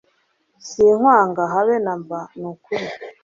sinkwanga habe namba nukuri